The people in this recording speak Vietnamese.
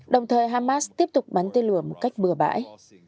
đồng thời hamas tiếp tục bắn tên lửa một cách bừa bãi